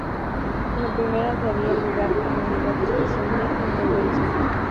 La primera daría lugar a la Unidad Especial de Intervención.